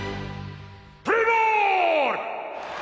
プレイボール！！